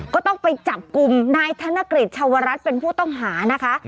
ก็ต้องไปจับกลุ่มนายธนกฤษชาวรัฐเป็นผู้ต้องหานะคะ